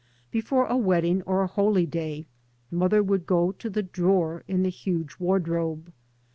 Before a wedding or a holy day mother would go to thf drawer in the huge wardrobe.